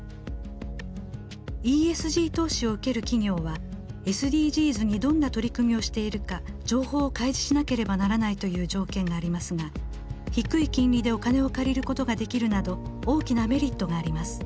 ＥＳＧ投資を受ける企業はＳＤＧｓにどんな取り組みをしているか情報を開示しなければならないという条件がありますが低い金利でお金を借りることができるなど大きなメリットがあります。